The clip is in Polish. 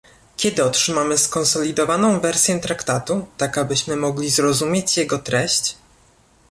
kiedy otrzymamy skonsolidowaną wersję Traktatu, tak abyśmy mogli zrozumieć jego treść?